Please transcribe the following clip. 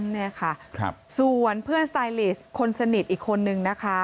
นี่ค่ะส่วนเพื่อนสไตลิสต์คนสนิทอีกคนนึงนะคะ